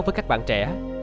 với các bạn trẻ